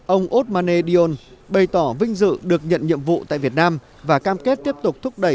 ông osmane dion bày tỏ vinh dự được nhận nhiệm vụ tại việt nam và cam kết tiếp tục thúc đẩy